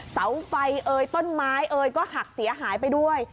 เสาไฟเอ่ยต้นไม้เอ๋ยก็หักเสียหายไปด้วย